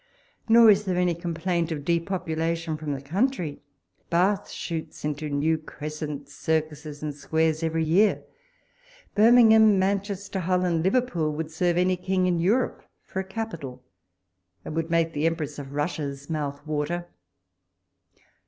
Nor is there any complaint of depopulation from the 190 WALPOLK S LETTERS. country : Bath shoots into new crescents, cir cuses, and squares every year : Birmingham, Manchester, Hull, and Liverpool would serve any King in Europe for a capital, and would make the Empress of Russia's mouth water.